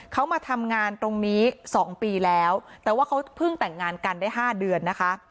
เขามาทำงานตรงนี้๒ปีแล้วแต่ว่าเขาเพิ่งแต่งงานกันได้๕เดือนนะคะ